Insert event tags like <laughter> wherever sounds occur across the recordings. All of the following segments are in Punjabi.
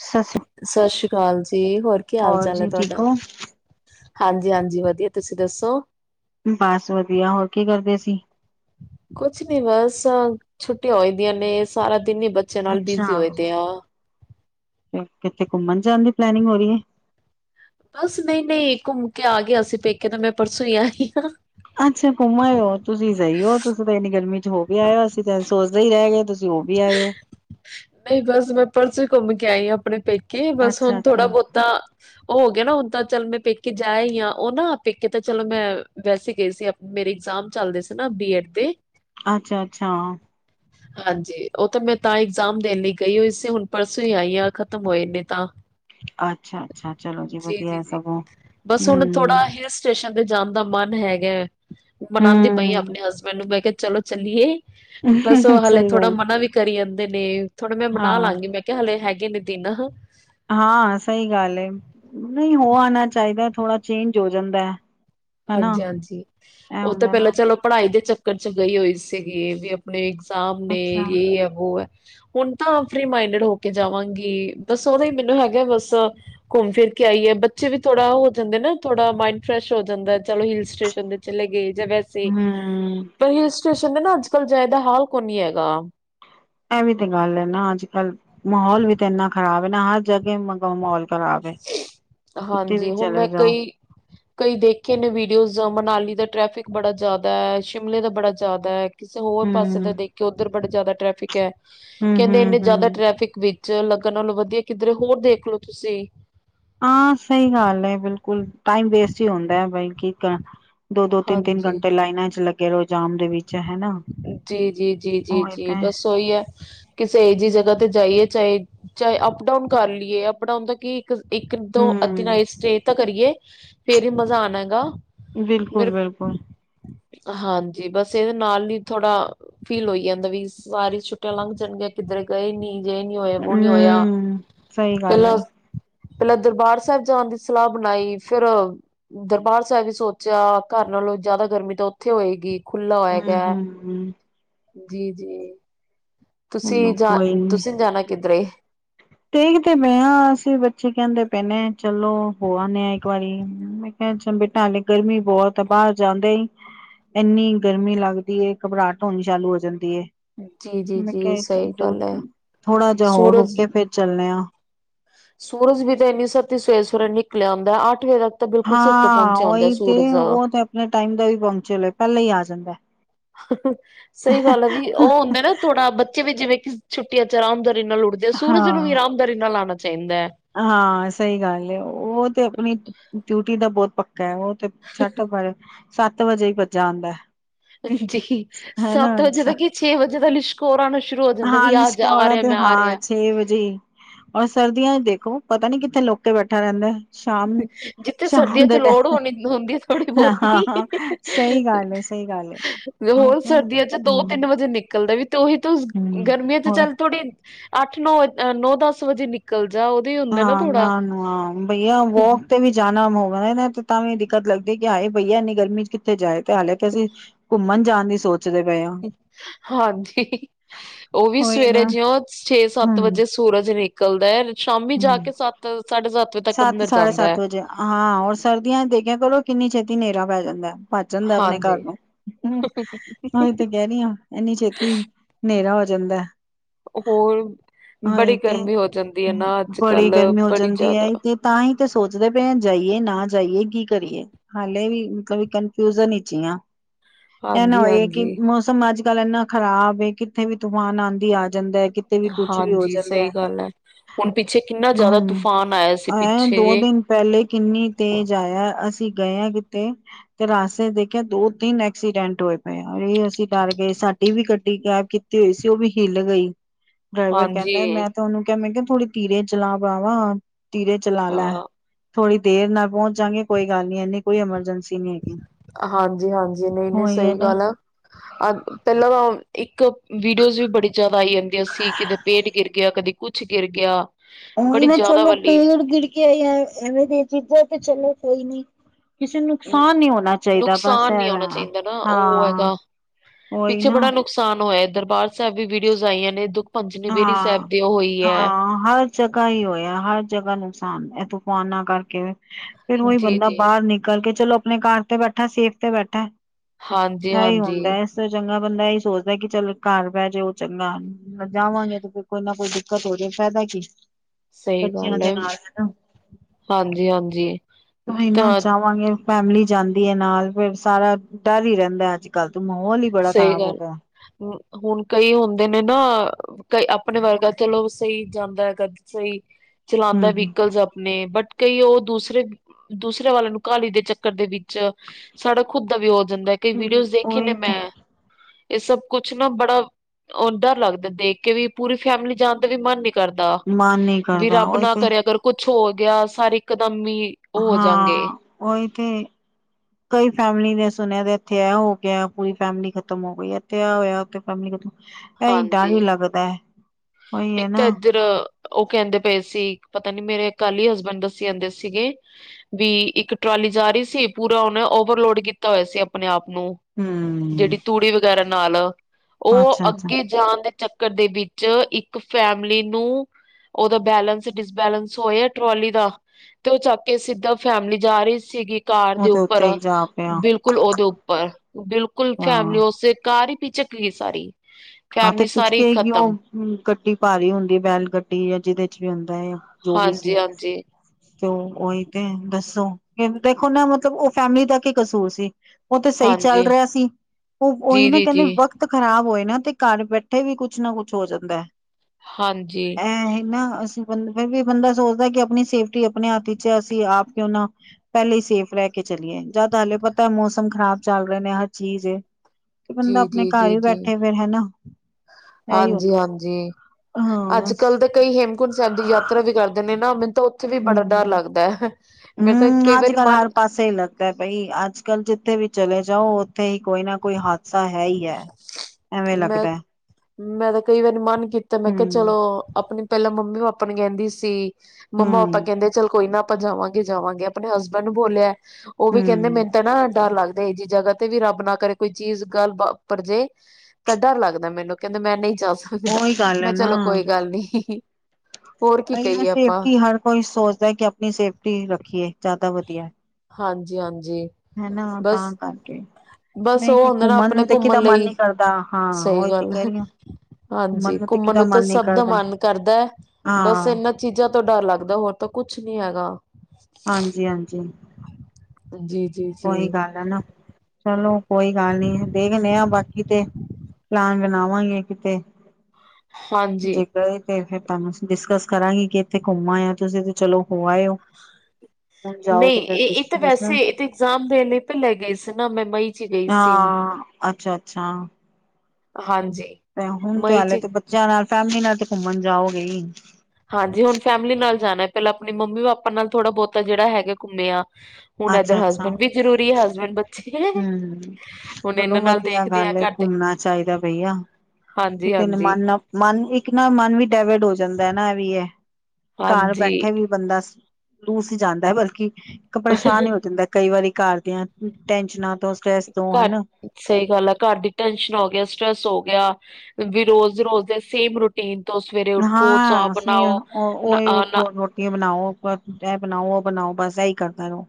ਸਤਿ ਸ੍ਰੀ ਸਤਿ ਸ੍ਰੀ ਅਕਾਲ ਜੀ, ਹੋਰ ਕੀ ਹਾਲ ਚਾਲ ਹੈ ਜੀ ਠੀਕ ਤੁਹਾਡਾ? ਹੋ ਹਾਂਜੀ-ਹਾਂਜੀ ਵਧੀਆ, ਤੁਸੀਂ ਦੱਸੋ? ਬਸ ਵਧੀਆ, ਹੋਰ ਕੀ ਕਰਦੇ ਸੀ? ਕੁਛ ਨੀ ਬਸ ਛੁੱਟੀਆਂ ਹੋ ਦੀਆਂ ਨੇ ਸਾਰਾ ਦਿ ਨ ਬੱਚਿਆਂ ਨਾਲ ਅੱਛਾ ਬਿਜ਼ੀ ਹੋਏਦੇ ਆ। ਕਿੱਥੇ ਘੁੰਮਣ ਜਾਣ ਦੀ ਪਲਨਿੰਗ ਹੋ ਰਹੀ ਹੈ। ਬਸ ਨਹੀਂ-ਨਹੀਂ ਘੁੰਮ ਕੇ ਆ ਗਿਆ ਸੀਂ ਪੇਕੇ ਤੇ ਮੈਂ ਪਰਸੋਂ ਹੀ ਆਹੀ ਹਾਂ। ਆਛਾ ਘੁੰਮ ਆਏ ਓ, ਤੁਸੀ ਸਈ ਓ ਤੁਸੀ ਤਾ ਏਨੀ ਗਰਮੀ ਚ ਹੋ <inaudible> ਅਸੀ ਤਾ ਸੋਚਦੇ ਈ ਰੈ ਗਏ ਤੁਸੀਂ ਹੋ ਵੀ ਆਏ ਹੋ ਨਈ ਬਸ ਮੈਂ ਪਰਸੋਂ ਘੁੰਮ ਕੇ ਆਈ ਆਂ ਆਪਨੇ ਪੇਕੇ, ਬਸ ਅੱਛਾ ਹੁਨ ਅੱਛਾ ਥੋੜਾ ਬੋਤਾ ਓ ਹੋ ਗਿਆ ਨਾ ਹੁਨ ਤਾਂ ਚੱਲ ਮੈਂ ਪੇਕੇ ਜਾ ਆਈ ਆਂ, ਓ ਨਾ ਪੇਕੇ ਤਾ ਚਲੋ ਮੈਂ ਵੈਸੇ ਗਈ ਸੀ ਮੇਰੇ ਇਗਜ਼ਾਮ ਚੱਲਦੇ ਸੀ ਨਾ ਬੀ ਐਡ ਦੇ ਅੱਛਾ, ਅੱਛਾ। ਹਾਂਜੀ, ਓ ਤਾ ਮੈਂ ਤਾਂ ਇਗਜ਼ਾਮ ਦੇਨ ਨੀ ਗਈ <inaudible> ਹੁਨ ਪਰਸੋਂ ਹੀ ਆਈ ਆਂ ਖ਼ਤਮ ਹੋਏ ਨੇ ਤਾਂ ਅੱਛਾ, ਅੱਛਾ ਚਲੋ ਜੀ ਵਧੀਆ ਜੀ-ਜੀ-ਜੀ। ਸਗੋਂ ਬਸ ਹੁਣ ਥੋੜਾ ਹੂੰ ਹਿਲ <inaudible> ਦਾ ਮਨ ਹੈਗਾ। ਮਨਾਦੀ ਪਈ ਹਮ ਆਪਨੇ ਹਸਬੈਂਡ ਨੂੰ ਮੈਂ ਕਿਆ ਚਲੋ ਚੱਲੀਏ ਬਸ ਓਹ ਹਲੇ ਸਹੀ ਥੋੜਾ ਗੱਲ ਮਨਾ ਵੀ ਕਰੀ <inaudible> ਥੋੜੇ ਮੈਂ ਬਨਾ ਹਾਂ ਲਾਂਗੀ ਮੈਂ ਕਿਹਾ ਹਲੇ ਹੈਗੇ <inaudible> ਹਾਂ ਸਹੀ ਗੱਲ ਏ, ਨਈ ਹੋ ਆਨਾ ਚਾਈਦਾ। ਥੋੜਾ ਚੇਂਜ ਹੋ ਜਾਂਦਾ ਐ। ਹਾਂਜੀ, ਹਾਂਜੀ ਓ ਤਾਂ ਪਹਿਲਾਂ ਨਾ ਚਲੋ ਪੜ੍ਹਾਈ ਦੇ ਚ <inaudible> ਗਈ ਹੋਈ ਸੀਗੀ ਵੀ ਅਪਨੇ ਸਾਮਨੇ ਅੱਛਾ ਯੇ, ਐ, ਵੋ, ‌ ਏ ਹੁਨ ਤਾਂ ਫ੍ਰੀ ਮਾਈਡਡ ਹੋ ਕੇ ਜਾਵਾਂਗੀ, ਬਸ ਉਦੋ ਮੈਨੂੰ ਹੈਗਾ ਬਸ ਘੁੰਮ ਫਿਰ ਕੇ ਆਈਏ ਬੱਚੇ ਵੀ ਥੋੜਾ ਹੋ ਜਾਂਦੇ ਨਾ ਥੋੜਾ ਮਾਇੰਡ ਫਰੈਸ਼ ਹੋ <inaudible> ਚਲੋ ਹਿਲ-ਸਟੇਸ਼ਨ ਦੇ ਚਲੇ ਗੇ ਜਾਂ ਵੈਸੇ ਹਮ ਪਰ ਸਟੇਸ਼ਨ ਦੇ ਨਾ ਅੱਜ-ਕੱਲ ਜੈਦਾ ਹਾਲ ਕੋਨੀ ਹੈਗਾ। ਏਵੀ ਤੇ ਗੱਲ ਏ ਨਾ ਅੱਜ-ਕੱਲ। ਮਾਹੌਲ ਵੀ ਤੇ ਏਨਾ ਖ਼ਰਾਬ <inaudible> ਕਿਤੇ ਹਾਂਜੀ, ਵੀ ਹੁਨ ਚਲੇ ਮੈਂ ਜਾਓ ਕਈ-ਕਈ ਦੇਖੇ ਨੇ ਵੀਡੀਓਜ਼ ਮਨਾਲੀ ਟ੍ਰੈਫਿਕ ਬੜਾ ਜੈਦਾ, ਸ਼ਿਮਲੇ ਦਾ ਬੜਾ ਜੈਦਾ ਕਿਸੇ ਹੋਰ ਹੂੰ ਪਾਸੇ ਦਾ ਦੇਖਯੋ ਉੱਧਰ ਬੜੇ ਜਾਦਾ ਟ੍ਰੈਫਿਕ ਹੂੰ ਕਹਿੰਦੇ ਹੂੰ ਏਨੇ ਜੈਦਾ ਹੂੰ ਟ੍ਰੈਫਿਕ ਵਿੱਚ <inaudible> ਵਧੀਆ ਕਿੱਧਰੇ ਹੋਰ ਦੇਖਲੋ ਤੁਸੀ ਆਂ ਸਹੀ ਗੱਲ ਏ, ਬਿਲਕੁਲ ਟਾਈਮ ਵੇਸਟ ਈ ਹੋਂਦੈ ਬਈ ਠੀਕ ਹੈ, ਦੋ ਦੋ ਤਿੰਨ ਤਿੰਨ ਘੰਟੇ ਲਾਈਨਾਂ ਚ ਲਗ ਰੋ ਜਾਮ ਦੇ ਵਿੱਚ ਹਨਾ ਉਹੀ ਜੀ-ਜੀ-ਜੀ-ਜੀ-ਜੀ, ਤਾਂ ਬਸ ਉਹੀ ਹੈ, ਕਿਸੇ ਇਹ ਜਿ ਜਾ ਤੇ ਜਾਈਏ ਚਾਹੇ ਚਾਹੇ ਅਪ ਡਾਊਨ ਕਰ ਲਈਏ ਅਪਡਾਊਨ ਦਾ ਕੀ ਇੱਕ ਦੋ, ਅੱਧੀ ਨਾਈਟ ਹੂੰ ਸਟੇ ਤਾਂ ਕਰੀਏ। ਫੇਰ ਹੀ ਮਜ਼ਾ ਆਣਾ ਹੈਗਾ। ਮੇਰੇ ਬਿਲਕੁਲ-ਬਿਲਕੁਲ, ਹਾਂਜੀ, ਬਸ ਇਹਦੇ। ਨਾਲ ਹੀ ਥੋੜਾ ਫੀਲ ਹੋਈ ਜਾਂਦਾ ਵੀ, ਸਾਰੀ ਛੁੱਟੀਆਂ ਲੰਘ ਜਾਣਗੀਆਂ ਕਿੱਧਰ ਗਏ ਨੀ। ਜੇ ਨੀ ਹੋਏ ਵੋ ਨੀ ਹੋਇਆ ਹੂੰ, ਸਹੀ ਗੱਲ ਹੈ। ਪਹਿਲਾਂ ਪਹਿਲਾਂ ਦਰਬਾਰ ਸਾਹਿਬ ਜਾਣ ਦੀ ਸਲਾਹ ਬਣਾਈ ਫਿਰ ਦਰਬਾਰ ਸਾਹਿਬ ਹੀ ਸੋਚਿਆ ਘਰ ਨਾਲੋਂ ਜਿਆਦਾ ਗਰਮੀ ਤਾਂ ਉੱਥੇ ਹੋਏਗੀ ਖੁ ਹੂੰ-ਹੂੰ-ਹੂੰ, ਜੀ ਜੀ, ਤੁਸੀਂ ਚਲੋ ਜਾ ਤੁਸੀਂ ਨ ਜਾਣਾ ਕਿੱਧਰੇ? ਤੇ ਕਿਤੇ ਪਏ ਹਾਂ ਅਸੀਂ ਬੱਚੇ ਕਹਿੰਦੇ ਪਏ ਨੇ ਚ ਚਲੋ ਹੋ ਆਨੇ ਆ ਇੱਕ ਵਾਰੀ, ਮੈਂ ਕਿਹਾ ਚ ਬੇਟਾ ਲੇ ਗਰਮੀ ਬਹੁਤ ਆ ਬਾਹਰ ਜਾਂਦੇ ਐੰਨੀ ਗਰਮੀ ਲੱਗਦੀ ਐ ਘਬਰਾਹਟ ਹੋਣੀ ਚਾਲੂ ਹੋ ਜਾਂਦੀ ਐ। ਜੀ ਜੀ ਮੈਂ ਜੀ ਕਿਹਾ ਸਹੀ ਦੋ ਗੱਲ ਹੈ ਥੋੜਾ ਜਿਹਾ ਹੋਰ ਸੂਰਜ ਚੱਲਨੇ ਆ। ਸੂਰਜ ਵੀ ਤਾਂ ਇੰਨੀ ਸਤੀ ਸਵੇਰੇ ਸਵੇਰੇ ਨਿਕਲਿਆ ਆਦਾ ਹੈ ਅੱਠ ਵਜੇ ਤੱਕ ਤਾਂ ਬਿਲਕੁਲ ਸਿਰ ਤੇ ਹਾਂ ਪਹੁੰਚਿਆ ਹੁੰਦਾ ਉਹੀ ਤੇ ਸੂਰਜ ਉਹ ਤੇ ਆਪਣੇ ਟਾਈਮ ਦਾ ਵੀ ਪਹੁੰਚ ਲਏ ਪਹਿਲਾਂ ਹੀ ਆ ਜਾਂਦਾ। ਸਹੀ ਗੱਲ ਹੈ ਵੀ ਉਹ ਹੁੰਦੇ ਨਾ ਥੋੜਾ ਬੱਚੇ ਵੀ ਜਿਵੇਂ, ਛੁੱਟਿਆਂ ਚ ਆਰਾਮ ਦਰ ਹਾਂ ਚਾਹੀਦਾ ਹੈ ਹਾਂ, ਸਹੀ ਗੱਲ ਹੈ ਉਹ ਤੇ ਆਪਣੀ ਡਿਊਟੀ ਦਾ ਬਹੁਤ ਪੱਕਾ ਉਹ ਤੇ ਛੱਡ ਪਰੇ ਸੱਤ ਵਜੇ ਹੀ ਭੱਜਾ ਆਦਾ। ਹਾਂਜੀ ਸੱਤ ਵਜੇ ਦਾ ਕੀ ਛੇ ਵਜੇ ਦਾ ਲਿਸ਼ਕ ਹੋਰ ਆਣਾ ਹਾਂ ਲਿਸ਼ਕਾ ਤੇ ਹਾਂ ਛੇ ਵਜੇ ਹੀ, ਔਰ ਸਰਦੀਆਂ ਚ ਦੇਖੋ, ਪਤਾ ਨੀ ਕਿ ਕਿਥੇ ਲੁਕ ਕੇ ਬੈਠਾ ਰਹਿੰਦਾ। ਸ਼ਾਮ ਜਿੱਥੇ ਸ਼ਾਮ ਸਰਦੀਆਂ ਚ ਦੇ ਟਾਈਮ ਲੋੜ ਹੋਣੀ ਹੁੰਦੀ ਹੈ, ਥੋੜੀ ਬਹੁਤੀ ਹਾਂ ਸਹੀ ਗੱਲ ਏ ਸਹੀ ਗੱਲ ਏ ਉਹੀ ਹੋਰ ਤੇ ਸਰਦੀਆਂ ਚ ਦੋ ਹੂੰ ਤਿੰਨ ਵਜੇ ਨਿਕਲਦਾ ਵੀ ਤੇ ਉਹੀ ਹੂੰ ਗਰਮੀਆਂ ਤੇ ਹੋਰ ਚੱਲ ਥੋੜੀ, ਅੱਠ ਨੌਹ, ਨੌ ਦਸ ਵਜੇ ਨਿਕਲ ਦਾ ਹਾਂ ਨਾ ਨਾ ਆ ਬਈ, ਵੋਕ ਤੇ ਵੀ ਜਾਣਾ। <unintelligible> ਤੇ ਤਾਂ ਵੀ ਦਿੱਕਤ ਲਗਦੀ ਕਿ ਹਾਏ ਬਈ ਆ ਇੰਨੀ ਗਰਮੀ ਚ ਕਿੱਥੇ ਜਾਏ। ਤੇ ਹਾਲੇ ਤੇ ਅਸੀਂ ਘੁੰਮਣ ਜਾਣ ਦੀ। ਸੋਚਦੇ ਪਏ ਆ ਹਾਂਜੀ ਉਹ ਵੀ ਉਹੀ ਸਵੇਰੇ ਨਾ ਜਿਓਂ ਛੇ ਸੱਤ ਹੂੰ ਵਜੇ ਸੂਰਜ ਨੇ। ਨਿਕਲਦਾ । ਹੂੰ ਤੱਕ ਸੱਤ ਅੰਦਰ ਸਾਢੇ ਜਾਂਦਾ ਸੱਤ ਹੈ ਵਜੇ ਹਾਂ ਹੋਰ ਸਰਦੀਆਂ ਦੇਖਿਆ ਕਰੋ ਕਿੰਨੀ ਛੇਤੀ। ਹਨੇਰਾ ਪੈ ਜਾਂਦਾ। ਭੱਜ ਜਾਂਦਾ ਆਪਣੇ ਹਾਂਜੀ ਘਰ ਨੂੰ ਹੂੰ ਉਹੀ ਤੇ ਕਹਿ ਰਹੀ ਆ ਇੰਨੀ ਛੇਤੀ ਹਨੇਰਾ ਹੋ। ਜਾਂਦਾ। ਹੋਰ। ਹਾਂ ਬੜੀ ਏ ਤੇ ਗਰਮੀ ਹੋ ਜਾਂਦੀ ਹੈ ਨਾ ਅੱਜ ਬੜੀ ਕੱਲ ਗਰਮੀ ਹੋ ਬੜੀ ਜਾਂਦੀ ਹੈ ਜ਼ਿਆਦਾ ਤੇ ਤਾਂ ਹੀ ਤੇ ਸੋਚਦੇ ਪਏ ਜਾਈਏ ਨਾ। ਜਾਈਏ ਕੀ ਕਰੀਏ ਹਾਲੇ ਵੀ ਮਤਲਬ ਕਨਫਿਊਜਨ ਵਿੱਚ ਹੀ ਆ। ਇਹ ਨਾ ਹਾਂਜੀ ਹੋਏ ਕਿ ਹਾਂਜੀ ਮੌਸਮ ਅੱਜ। ਕੱਲ ਇੰਨਾ ਖ਼ਰਾਬ ਏ ਕਿੱਥੇ ਵੀ ਤੂਫਾਨ ਆਂਦੀ ਆ ਜਾਂਦਾ ਹੈ। ਕਿਤੇ ਵੀ ਕੋਈ। ਵਿੱਚ ਵੀ ਹੋ ਹਾਂਜੀ ਜਾਂਦਾ ਸਹੀ ਹੈ ਗੱਲ ਹੁਣ ਪਿੱਛੇ ਕਿੰਨਾ ਜ਼ਿਆਦਾ ਹੂੰ ਤੂਫਾਨ ਆਇਆ ਸੀ ਐ ਪਿੱਛੇ ਦੋ ਜੇ ਦਿਨ ਪਹਿਲੇ ਕਿੰਨੀ ਤੇਜ਼ ਆਇਆ ਅਸੀਂ। ਗਇਆ ਕਿਤੇ ਤੇ ਰਾਸਤੇ ਦੇਖਿਆ ਦੋ ਤਿੰਨ ਐਕਸੀਡੈਂਟ ਹੋਏ ਪਏ ਇਹ ਅਸੀਂ ਡਰ ਗਏ ਸਾਡੀ ਵੀ ਗੱਡੀ ਕੈਬ ਕੀਤੀ ਹੋਈ ਸੀ ਉਹ ਵੀ ਹਿੱਲ ਗਈ। ਡਰਾਈਵਰ ਹਾਂਜੀ ਕਹਿੰਦਾ ਮੈਂ ਤੁਹਾਨੂੰ ਕਿਹਾ ਮੈਂ ਕਿਹਾ। ਥੋੜੀ ਧੀਰੇ ਚਲਾ ਭਰਾਵਾਂ। ਧੀਰੇ ਚਲਾ ਲਾ। ਹਾਂ ਥੋੜ੍ਹੀ ਦੇਰ ਨਾਲ ਪਹੁੰਚ ਜਾਂਗੇ ਕੋਈ ਗੱਲ ਨੀ ਇੰਨੀ ਕੋਈ ਐਮਰਜੈਂਸੀ। ਨੀ ਹੈਗੀ ਹਾਂਜੀ ਹਾਂਜੀ ਨਹੀਂ ਨਹੀਂ ਉਹੀ ਸਹੀ ਹੈ ਨਾ ਗੱਲ ਆ ਅ ਪਹਿਲਾਂ ਤਾਂ ਹੁਣ। ਇੱਕ। ਵੀਡੀਓਜ਼ ਵੀ ਬੜੀ ਜ਼ਿਆਦਾ ਆਈ ਜਾਂਦੀ ਸੀ ਕਿਤੇ ਪੇੜ ਗਿਰ ਗਿਆ ਕਦੇ। ਕੁੱਛ ਗਿਰ ਗਿਆ। ਉਹੀ ਬੜੀ ਨਾ ਜ਼ਿਆਦਾ ਚਲੋ ਵਾਲੀ ਪੇੜ ਗਿਰ ਗਿਆ ਯਾਰ ਐਵੇਂ ਦੀਆਂ ਚੀਜ਼ਾਂ ਤੇ ਚਲੋ। ਕੋਈ ਨਹੀਂ। ਕਿਸੇ ਨੂੰ ਨੁਕਸਾਨ ਨਹੀਂ ਹੋਣਾ ਚਾਹੀਦਾ ਬਸ ਨੁਕਸਾਨ ਨਹੀਂ ਐਵੇ ਹੋਣਾ ਚਾਹੀਦਾ ਨਾ ਉਹ ਹਾਂ ਹੈਗਾ ਉਹੀ ਪਿੱਛੇ ਨਾ। ਬੜਾ ਨੁਕਸਾਨ ਹੋਇਆ ਦਰਬਾਰ ਸਾਹਿਬ ਦੀਆਂ ਵੀਡੀਓਜ਼ ਆਈਆਂ ਨੇ ਦੁੱਖ। ਭੰਜਨੀ ਬੇਰੀ ਹਾਂ ਸਾਹਿਬ ਦੀ ਉਹ ਹੋਈ ਹੈ ਹਾਂ ਹਰ ਜਗ੍ਹਾ ਹੀ ਹੋਇਆ ਹਰ ਜਗ੍ਹਾ ਨੁਕਸਾਨ। ਇਹ ਤੂਫਾਨਾਂ ਕਰਕੇ ਵੇਖ। ਫੇਰ ਉਹੀ ਜੀ ਬੰਦਾ ਜੀ ਬਾਹਰ ਨਿਕਲ ਕੇ। ਚਲੋ ਆਪਣੇ ਘਰ ਤੇ ਬੈਠਾ ਸੇਫ ਤੇ ਬੈਠਾ। ਹਾਂਜੀ ਹੈਹੀ ਹਾਂਜੀ ਹੁੰਦਾ ਇਸ ਤੋਂ ਚੰਗਾ ਬੰਦਾ ਇਹੀ ਸੋਚਦਾ ਕਿ ਚੱਲ ਘਰ ਬਹਿ ਜੇ ਉਹ ਚੰਗਾ ਜਾਵਾਂਗੇ ਤੇ ਫੇਰ ਕੋਈ ਨਾ ਕੋਈ ਦਿੱਕਤ ਹੋ ਜਾਵੇ ਫਾਇਦਾ ਕੀ ਸਹੀ ਬੱਚਿਆਂ ਗੱਲ ਦੇ ਹੈ ਨਾਲ ਹਨਾ ਹਾਂਜੀ ਹਾਂਜੀ ਇਹਨਾ ਤਾਂ ਚਾਵਾਂਗੇ ਫੈਮਿਲੀ ਜਾਂਦੀ ਏ ਨਾਲ ਫਿਰ ਸਾਰਾ ਡਰ ਈ ਰਹਿੰਦਾ ਅੱਜ ਕੱਲ ਮਾਹੌਲ ਹੀ ਬੜਾ ਸਹੀ ਖ਼ਰਾਬ ਹੋ ਗੱਲ ਗਿਆ ਹੁ- ਹੁਣ ਕਈ ਹੁੰਦੇ ਨੇ ਨਾ ਕਈ ਆਪਣੇ ਵਰਗਾ ਚਲੋ ਸਹੀ ਜਾਂਦਾ ਹੈ ਕਦ ਸਹੀ ਚਲਾਉਂਦਾ ਹੂੰ ਵਹੀਕਲਸ ਆਪਣੇ ਬਟ ਕਈ ਉਹ ਦੂਸਰੇ ਦੂਸਰੇ ਵਾਲਿਆਂ ਨੂੰ ਕਾਹਲੀ ਦੇ ਚੱਕਰ ਦੇ ਵਿੱਚ ਸਾਡਾ ਖੁੱਦ ਦਾ ਵਿਓ ਜਾਂਦਾ ਕਈ ਹੂੰ ਵੀਡੀਓਜ਼ ਦੇਖੇ ਨੇ ਉਹੀ ਤੇ ਮੈਂ ਇਹ ਸਭ ਕੁਛ ਨਾ ਬੜਾ ਡਰ ਲੱਗਦਾ ਦੇਖ ਕੇ ਵੀ ਪੂਰੀ ਫੈਮਿਲੀ ਜਾਣ ਦਾ ਵੀ ਮਨ ਨੀ ਕਰਦਾ ਮਨ ਨੀ ਵੀ ਕਰਦਾ ਰੱਬ ਉਹੀ ਨਾ ਤੇ ਕਰੇ ਅਗਰ ਕੁਛ ਕੂਛ ਹੋ ਗਿਆ ਸਾਰੇ ਇੱਕਦਮ ਹਾਂ ਉਹੀ ਤੇ ਕਈ ਫੈਮਲੀ ਨੇ ਸੁਣਿਆ ਦੇ ਇੱਥੇ ਇਹ ਹੋ ਗਿਆ ਪੂਰੀ ਫੈਮਲੀ ਖਤਮ ਹੋ ਗਈ ਇਥੇ ਆ ਹੋਇਆ ਫੈਮਲੀ ਖਤਮ ਇਹੀ ਡਰ ਹਾਂਜੀ। ਹੀ ਲੱਗਦਾ ਉਹੀ ਹੈ ਇੱਕ ਤਾਂ ਨਾ ਇੱਧਰ ਉਹ ਕਹਿੰਦੇ ਪਏ ਸੀ ਪਤਾ ਨੀ ਮੇਰੇ ਕੱਲ ਹੀ ਹਸਬੈਂਡ ਦੱੱਸੀ ਜਾਂਦੇ ਸੀਗੇ ਵੀ ਇੱਕ ਟਰਾਲੀ ਜਾ ਰਹੀ ਸੀ ਪੂਰਾ ਉਹਨੇ ਓਵਰਲੋਡ ਕੀਤਾ ਹੋਇਆ ਸੀ ਆਪਣੇ ਆਪ ਨੂੰ ਹੂੰ ਜਿਹੜੀ ਤੂੜੀ ਵਗੈਰਾ ਨਾਲ ਉਹ ਅੱਛਾ ਅੱਛਾ ਅੱਗੇ ਜਾਣ ਦੇ ਚੱਕਰ ਦੇ ਵਿੱਚ ਇੱਕ ਫੈਮਲੀ ਨੂੰ ਉਹਦਾ ਬੈਲੇੈਂਸ ਡਿਸਬੈਲੈਂਸ ਹੋਇਆ ਟਰੋਲੀ ਦਾ ਤੇ ਉਹ ਚੱਕ ਕੇ ਸਿੱਧਾ ਫੈਮਲੀ ਜਾ ਰਹੀ ਸੀਗੀ ਕਾਰ ਦੇ ਉਹਦੇ ਉੱਪਰ ਉੱਤੇ ਜਾ ਪਿਆ ਬਿਲਕੁਲ ਉਹਦੇ ਉੱਪਰ ਬਿਲਕੁਲ ਹਾਂ ਫੈਮਲੀ ਉਸੇ ਕਾਰ ਹੀ ਪਿਛੇ ਗੀਫ ਆ ਰਹੀ ਹਾਂ ਤੇ ਪੁੱਛ ਕੇਗੀ ਉਹ ਗੱਡੀ ਭਾਰੀ ਹੁੰਦੀ ਹੈ ਬੈਲ ਗੱਡੀ ਜਾਂ ਜਿਹਦੇ ਚ ਵੀ ਹੁੰਦਾ ਹੈ ਆ ਹਾਂਜੀ ਹਾਂਜੀ ਤੇ ਉਹੀ ਤੇ ਦੱਸੋ ਕਿ ਦੇਖੋ ਨਾ ਮਤਲਬ ਉਹ ਫੈਮਿਲੀ ਦਾ ਕੀ ਕਸੂਰ ਸੀ ਉਹ ਤੇ ਸਹੀ ਚੱਲ ਹਾਂਜੀ ਰਿਹਾ ਸੀ ਉਹ ਉਹੀ ਜੀ ਨਾ ਜੀ ਕਹਿੰਦੇ ਜੀ ਵਕਤ ਖ਼ਰਾਬ ਹੋਏ ਨਾ ਤੇ ਘਰ ਬੈਠੇ ਵੀ ਕੁੱਛ ਨਾ ਕੁੱਛ ਹੋ ਜਾਂਦਾ। ਹਾਂਜੀ, ਹੈ ਨਾ ਅਸੀਂ ਬੰ ਫੇਿਰ ਵੀ ਬੰਦਾ ਸੋਚਦਾ ਕਿ ਆਪਣੀ ਸੇਫਟੀ ਆਪਣੇ ਹੱਥ ਵਿਚ ਅਸੀਂ ਆਪ ਕਿਉਂ ਨਾ ਪਹਿਲੇ ਹੀ ਸੇਫ ਰਹਿ ਕੇ ਚਲੀਏ ਜਾਂਦ ਤਾਂ ਹਾਲੇ ਪਤਾ ਮੌਸਮ ਖ਼ਰਾਬ ਚੱਲ ਰਹੇ ਨੇ ਹਰ ਚੀਜ਼ ਐ। ਤੇ ਬੰਦਾ ਆਪਣੇ ਘਰ ਹੀ ਬੈਠੇ ਫੇਰ ਹਨਾ। ਇਹੀ ਹੁੰਦਾ। ਹਾਂਜੀ-ਹਾਂਜੀ ਅੱਜ ਹਾਂ, ਕੱਲ੍ਹ ਤਾਂ ਕਈ ਹੇਮਕੁੰਟ ਸਾਹਿਬ ਦੀ ਯਾਤਰਾ ਵੀ ਕਰਦੇ ਨੇ, <unintelligible> ਤਾਂ ਉੱਥੇ ਵੀ ਬੜਾ ਡਰ ਹੂੰ। ਲੱਗਦਾ ਹੈ। ਮੇਰੇ ਤਾਂ ਕਈ ਹੂੰ, ਅੱਜ ਵਾਰੀ ਕੱਲ ਮਨ ਹਰ ਪਾਸੇ ਹੀ ਲੱਗਦਾ ਬਈ ਅੱਜ ਕੱਲ ਜਿੱਥੇ ਵੀ ਚਲੇ ਜਾਓ ਉੱਥੇ ਹੀ ਕੋਈ ਨਾ ਕੋਈ ਹਾਦਸਾ ਹੈ ਹੀ ਹੈ ਐਵੇਂ ਮੈਂ ਲੱਗਦਾ। ਮੈਂ ਤਾਂ ਕਈ ਵਾਰੀ ਮਨ ਕੀਤਾ ਮੈਂ ਕਿਹਾ ਹੂੰ। ਚਲੋ ਆਪਣੀ, ਪਹਿਲਾਂ ਮੰਮੀ ਪਾਪਾ ਕਹਿੰਦੀ ਸੀ। ਮੰਮਾ ਪਾਪਾ ਹੂੰ, ਕਹਿੰਦੇ ਚੱਲ ਕੋਈ ਨਾ, ਆਪਾਂ ਜਾਵਾਂਗੇ ਜਾਵਾਂਗੇ ਆਪਣੇ ਹਸਬੈਂਡ ਬੋਲਿਆ। ਉਹ ਵੀ ਕਹਿੰਦੇ ਹੂੰ ਮੈਨੂੰ ਤਾਂ ਨਾ ਡਰ ਲੱਗਦਾ। ਜਹੀ ਜਗ੍ਹਾ ਤੇ ਵੀ ਰੱਬ ਨਾ ਕਰੇ, ਕੋਈ ਚੀਜ਼ ਗੱਲ ਵਾਪਰ ਜੇ ਤਾਂ ਡਰ ਲੱਗਦਾ ਮੈਨੂੰ ਕਹਿੰਦੇ ਮੈਂ ਨਹੀਂ, ਜਾ ਸਕਦਾ ਉਹੀ ਮੈਂ ਚਲੋ ਕੋਈ ਗੱਲ ਨੀ। ਹੋਰ ਕੀ ਅ ਕਹੀਏ ਆਪਾਂ ਸੇਫਟੀ ਹਰ ਕੋਈ ਸੋਚਦਾ ਕਿ ਆਪਣੀ ਸੇਫਟੀ ਰੱਖੀਏ ਜ਼ਿਆਦਾ ਵਧੀਆ। ਹਾਂਜੀ-ਹਾਂਜੀ, ਹਨਾ ਤਾਂ ਕਰਕੇ, ਬਸ ਨਹੀਂ ਉਹ ਤੇ ਹੁੰਦੇ ਨਾ ਆਪਣੇ ਨੂੰ ਤੇ ਕਿਦਾ ਘੁੰਮਣ ਮਨ ਲਈ ਨੀ ਕਰਦਾ ਹਾਂ ਸਹੀ ਉਹੀ ਤੇ ਗੱਲ ਕਹਿ ਐ ਰਹੀ ਹਾਂ। ਹਾਂਜੀ ਤੇ ਘੁੰਮਣ ਕਿਦਾ ਨੂੰ ਤਾਂ ਮਨ ਨੀ ਸਭ ਦਾ ਕਰਦਾ ਮਨ ਕਰਦਾ ਹੈ ਬਸ ਹਾਂ ਇਹਨਾਂ ਚੀਜ਼ਾਂ ਤੋਂ ਡਰ ਲੱਗਦਾ ਹੋਰ ਤਾਂ ਕੁਛ ਕੁਛ ਨੀ ਹੈਗਾ। ਹਾਂਜੀ-ਹਾਂਜੀ, ਜੀ-ਜੀ-ਜੀ, ਉਹੀ ਗੱਲ ਹੈ ਨਾ। ਚਲੋ, ਕੋਈ ਗੱਲ ਨੀ ਦੇਖਦੇ ਆ ਬਾਕੀ ਤੇ, ਪਲੈਨ ਬਣਾਵਾਂਗੇ ਕਿਤੇ, ਹਾਂਜੀ। ਜੇ ਗਏ ਤੇ ਫ਼ਿਰ, ਤੁਹਾਨੂੰਂ ਡਿਸਕਸ ਕਰਾਂਗੇ ਕਿ ਇੱਥੇ ਘੁੰਮ ਆ ਤੁਸੀਂ ਤੇ ਚਲੋ ਹੋ ਆਏ ਹੋ, ਹੁਣ ਜਾਓ ਨਹੀਂ ਤੇ ਫਿਰ ਇਹ ਇਹ ਤਾਂ ਦੱਸਣਾ ਵੈਸੇ ਇਹ ਤੇ ਇਗਜ਼ਾਮ, ਵੇਲੇ ਪਲੇੈ ਗਏ ਸੀ ਨਾ ਮੈਂ ਮਈ ਚ ਗਈ ਸੀ। ਅੱਛਾ-ਅੱਛਾ, ਹਾਂਜੀ ਤੇ ਹੁਣ ਤੇ ਮਈ ਹਲੇ ਚ ਤੇ ਬੱਚਿਆਂ ਨਾਲ ਫੈਮਿਲੀ ਨਾਲ ਕਿੱਥੇ ਘੁੰਮਣ ਜਾਓਗੇ ਈ ਹਾਂਜੀ ਹੁਣ ਫੈਮਿਲੀ ਨਾਲ ਜਾਣਾ ਪਹਿਲਾਂ ਆਪਣੀ ਮੰਮੀ ਪਾਪਾ ਨਾਲ ਥੋੜਾ ਬਹੁਤਾ ਜਿਹੜਾ ਹੈਗਾ ਘੁੰਮੇਆ ਹੁਣ ਇੱਧਰ ਹਸਬੈਂਡ ਵੀ ਜ਼ਰੂਰੀ ਐ, ਹਸਬੈਂਡ ਬੱਚੇ ਹਂ, ਹੁਣ ਚਲੋ ਇਹਨਾਂ ਨਾਲ ਵਧੀਆ ਦੇਖਦੇ ਆ ਗੱਲ ਏ ਘਰ ਦੇ ਘੁੰਮਣਾ ਚਾਈਦਾ ਬਈਆ ਹਾਂਜੀ ਕਿਤੇ ਹਾਂਜੀ ਮਨ, ਮਨ ਇੱਕ ਨਾ ਮਨ ਵੀ ਡੈਵਰਡ ਹੋ ਜਾਂਦਾ ਐ ਨਾਂ ਇਹ ਵੀ ਐ ਘਰ ਬੈਠੇ ਹਾਂਜੀ ਵੀ ਬੰਦਾ ਸ ਲੂਸ ਹੀ ਜਾਂਦਾ ਐ ਬਲਕੀ ਕ ਪਰੇਸ਼ਾਨ ਹੀ ਹੋ ਜਾਂਦਾ ਕਈ ਵਾਰੀ ਘਰ ਦਿਆਂ ਟੈਨਸ਼ਨਾਂ ਤੋਂ ਸਟਰ੍ਰੈਸ ਤੋਂ ਘਰ ਹਨਾ ਸਹੀ ਗੱਲ ਆ, ਘਰ ਦੀ ਟੈਸ਼ਨ ਹੋ ਗਿਆ, ਸਟਰ੍ਰੈਸ ਹੋ ਗਿਆ ਵੀ ਰੋਜ਼-ਰੋਜ਼ ਦੇ ਸੇਮ ਰੂਟੀਨ ਤੋਂ ਸਵੇਰੇ ਉੱਠੋ ਚਾਹ ਹਾਂ, ਅਸੀਂ ਬਣਾਓ ਨਾ ਉਹੀ ਨਾ ਉੱਠੋ ਰੋਟੀ ਬਣਾਓ, ਚਾਹ ਬਣਾਓ, ਉਹ ਬਣਾਓ ਬਸ ਬਸ ਏਹੀ ਕਰਦਾ ਰੋਹ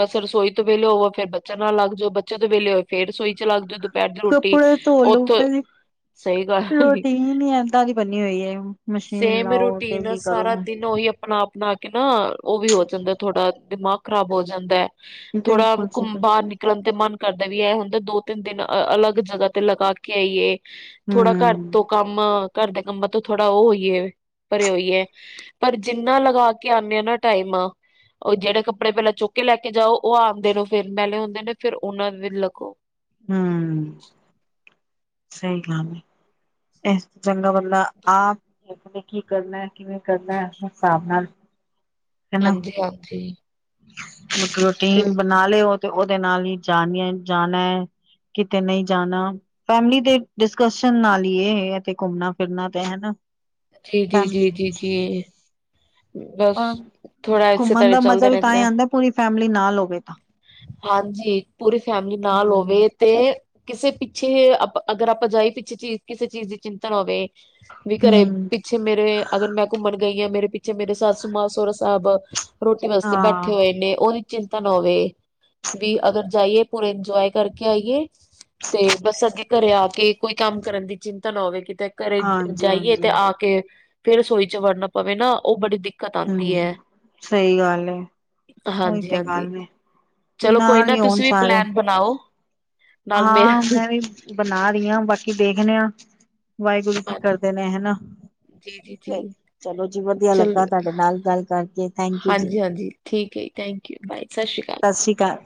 ਬਸ ਰਸੋਈ ਤੋਂ ਵਹਲੇ ਹੋ ਫੇਰ ਬੱਚੇ ਨਾਲ ਲੱਗ ਜਓ, ਬੱਚੇ ਤੋਂ ਵੇਹਲੇ ਹੋਵ ਫੇਰ ਰਸੋਈ ਚ ਲਗਜੋ ਦੁਪਹਿਰ ਦੀ ਰੋਟੀ ਕੱਪੜੇ ਧੋ ਲੋ ਓਥੇ ਕਦੇ ਸਹੀ ਗੱਲ, <unintelligible> ਰੋਟੀਨ ਹੀ ਏਦਾਂ ਦੀ ਬਣੀ ਹੋਈ ਹੈ ਮਸ਼ੀਨ ਸੇਮ ਲਾਓ ਰੂਟੀਨ ਡੇਲੀ ਕਰੋ ਸਾਰਾ ਦਿਨ ਉਹੀ ਆਪਣਾ ਆਪ ਬਣਾ ਕੇ ਨਾਂ ਉਹ ਵੀ ਹੋ ਜਾਂਦਾ ਥੋੜਾ ਦਿਮਾਗ ਖ਼ਰਾਬ ਹੋ ਜਾਂਦਾ ਏ ਥੋੜਾ ਬਿਲਕੁਲ ਜੀ ਘੁੰਮ ਬਾਹਰ ਬਿਲਕੁਲ ਨਿਕਲਣ ਤੇ ਮਨ ਕਰਦਾ ਵੀ ਇਹ ਹੁੰਦਾ ਦੋ ਤਿੰਨ ਦਿਨ ਅ ਅਲੱਗ ਜਗ੍ਹਾ ਤੇ ਲਗਾ ਕੇ ਆਈਏ ਥੋੜਾ ਘਰ ਹਮ ਤੋਂ ਕੰਮ ਘਰ ਦੇ ਕੰਮਾਂ ਤੋਂ ਥੋੜਾ ਉਹ ਹੋਈਏ ਭਰੇ ਹੋਈਏ ਪਰ ਜਿੰਨਾ ਲਗਾ ਕੇ ਆਂਣੇ ਆਂ ਨਾਂ ਟਾਈਮ ਆ ਉਹ ਜਿਹੜੇ ਕੱਪੜੇ ਪਹਿਲਾਂ ਚੁੱਕ ਲੈ ਕੇ ਜਾਓ ਉਹ ਆਂਦੇ ਨੂੰ ਫਿਰ ਮੈਲੇ ਹੁੰਦੇ ਨੇਂ ਫਿਰ ਉਹਨਾਂ ਨੂੰ ਵੀ ਲੱਗੋ। ਹਮ ਸਹੀ ਗੱਲ ਐ, ਇਹ ਚੰਗਾ ਵ ਲੈ ਆਪ <unintelligible> ਕੀ ਕਰਨਾ ਐ, ਕਿਵੇਂ ਕਰਨਾ ਐ ਹਿਸਾਬ ਨਾਲ ਹੈਨਾਂ! ਹਾਂਜੀ ਹਾਂਜੀ <unintelligible> ਤੇ ਰੋਟੀਨ ਬਣਾ ਲਿਓ ਤੇ ਉਹਦੇ ਨਾਲ ਹੀ ਜਾਣੀ ਜਾਣਾ ਐ, ਕਿਤੇ ਨਈਂ ਜਾਣਾ ਫੈਮਲੀ ਦੇ ਡਿਸਕਸ਼ਨ ਨਾਲ ਹੀ ਇਹ ਤੇ ਘੁੰਮਣਾ ਫਿਰਨਾ ਤੇ ਹਨਾ ਜੀ ਜੀ ਜੀ ਜੀ ਜੀ ਬਸ ਥੋੜਾ ਇਸੇ ਘੁੰਮਣ ਤਰ੍ਹਾਂ ਦਾ ਮਜ਼ਾ ਚੱਲਦਾ ਵੀ ਤਾਂ ਰਹਿੰਦਾ ਈ ਆਂਦਾ ਪੂਰੀ ਫੈਮ ਨਾਲ ਹੋਵੇ ਤਾਂ ਹਾਂਜੀ ਪੂਰੀ ਫੈਮਿਲੀ ਨਾਲ ਹਮ ਹੋਵੇ ਤੇ ਕਿਸੇ ਪਿੱਛੇ ਅਗਰ ਆਪਾਂ ਜਾਈ ਪਿੱਛੇ ਚੀਜ਼ ਕਿਸੇ ਚੀਜ਼ ਦੀ ਚਿੰਤਾ ਨਾਂ ਹੋਵੇ। ਵੀ ਘਰੇ ਹਮ ਪਿੱਛੇ ਮੇਰੇ ਅਗਰ ਮੈਂ ਘੁੰਮਣ ਗਈਆਂ ਮੇਰੇ ਪਿੱਛੇ ਮੇਰੇ ਸੱਸੂ ਮਾਂ ਸੋਹਰਾ ਸਾਹਬ ਰੋਟੀ ਵਾਸਤੇ ਹਾਂ ਬੈਠੇ ਹੋਏ ਨੇ ਉਹਦੀ ਚਿੰਤਨ ਹੋਵੇ ਵੀ ਅਗਰ ਜਾਈਏ ਪੂਰੇ ਇੰਜੋਏ ਕਰਕੇ ਆਈਏ ਤੇ ਬਸ ਅੱਗੇ ਘਰੇ ਆ ਕੇ ਕੋਈ ਕੰਮ ਕਰਨ ਦੀ ਚਿੰਤਾ ਨਾ ਹੋਵੇ ਕਿ ਤੇ ਘਰੇ ਹਾਂਜੀ ਜਾਈਏ ਹਾਂਜੀ ਤੇ ਆ ਕੇ ਫੇਰ ਰਸੋਈ ਚ ਵੜਨਾ ਪਵੇ ਨਾ ਉਹ ਬੜੀ ਦਿੱ ਹੂੰ, ਸਹੀ ਗੱਲ ਏ ਉਹੀ ਹਾਂਜੀ ਤੇ ਹਾਂਜੀ ਗੱਲ ਏ ਚਲੋ ਕੋਈ ਨਾ ਤੁਸੀਂ ਵੀ ਪਲੈਨ ਬਣਾਓ। ਨਾਲ ਮੇਰਾ ਹਾਂ ਮੈਂ ਵੀ ਬਣਾ ਰਹੀ ਆ ਬਾਕੀ ਦੇਖਦੇ ਆ ਵਾਹਿਗੁਰੂ ਕੀ ਹਾਂਜੀ ਕਰਦੇ ਨੇ ਹਨਾ ਜੀ ਜੀ ਜੀ ਚਲੋ ਜੀ ਵਧੀਆ ਲੱਗਾ ਚਲੋ ਤੁਹਾਡੇ ਨਾਲ ਗੱਲ ਕਰਕੇ ਥੈਂਕ ਯੂ ਜੀ। Okay thank you bye. ਸਤਿ ਸ਼੍ਰੀ ਅਕਾਲ ਸਸ ਰੀ ਕਾਲ।